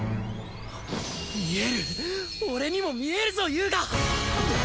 見える俺にも見えるぞ遊我！